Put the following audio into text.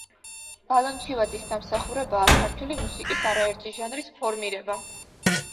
ბალანჩივაძის დამსახურებაა ქართული მუსიკის არაერთი ჟანრის ფორმირება.